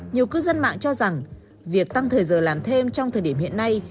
nhiều cư dân mạng cho rằng việc tăng thời giờ làm thêm trong thời điểm hiện nay